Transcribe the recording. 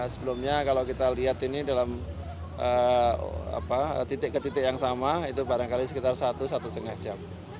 sebelumnya kalau kita lihat ini dalam titik ke titik yang sama itu barangkali sekitar satu satu setengah jam